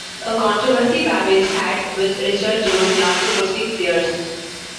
A controversy Babbage had with Richard Jones lasted for six years.